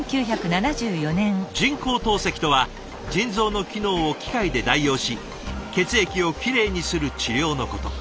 人工透析とは腎臓の機能を機械で代用し血液をきれいにする治療のこと。